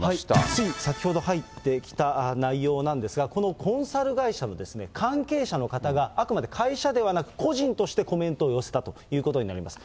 つい先ほど入ってきた内容なんですが、このコンサル会社の関係者の方が、あくまで会社ではなく、個人としてコメントを寄せたということになります。